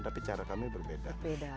tapi cara kami berbeda